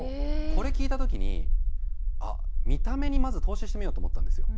これ聞いた時にあっ見た目にまず投資してみようと思ったんですよ。